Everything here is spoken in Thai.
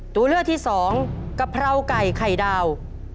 ตัวเลือกที่สองกะเพราไก่ไข่ดาว